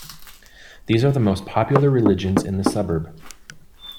These are the most popular religions in the suburb.